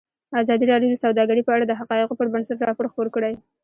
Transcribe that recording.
ازادي راډیو د سوداګري په اړه د حقایقو پر بنسټ راپور خپور کړی.